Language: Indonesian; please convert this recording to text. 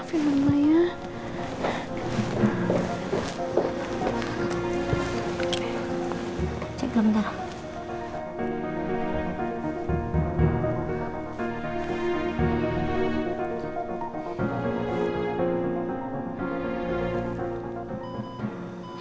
nanti aku minta deh ya attending dulu ya